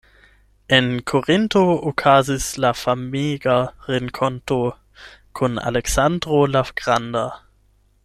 En Korinto okazis la famega renkonto kun Aleksandro la Granda.